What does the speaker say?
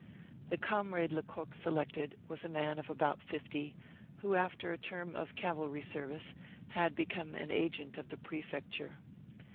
The comrade Lecoq selected was a man of about fifty, who, after a term of cavalry service, had become an agent of the prefecture.